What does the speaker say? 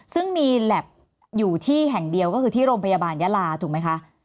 ซึ่งมีแล็บอยู่ที่แห่งเดียวก็คือที่โรงพยาบาลยาลาถูกไหมคะ